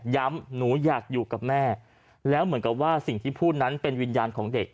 หนูอยากอยู่กับแม่แล้วเหมือนกับว่าสิ่งที่พูดนั้นเป็นวิญญาณของเด็ก